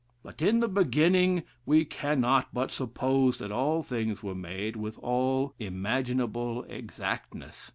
But in the beginning we cannot but suppose that all things were made with all imaginable exactness.